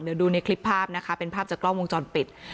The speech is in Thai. เดี๋ยวดูในคลิปภาพนะคะเป็นภาพจากกล้องวงจรปิด